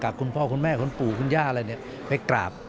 คุณพ่อคุณแม่คุณปู่คุณย่าอะไรไปกราบ